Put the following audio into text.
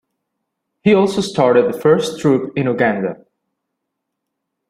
He also started the first troop in Uganda.